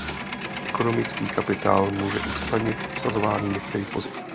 Ekonomický kapitál může usnadnit obsazování některých pozic.